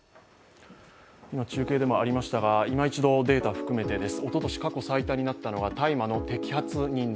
今、中継でもありましたが、いま一度、データも含めてです。